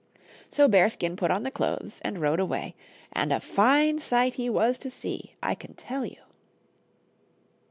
So Bearskin put on the clothes and rode away, and a fine sight he was to see, I can tell you.